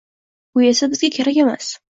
Bu esa bizga kerak emas.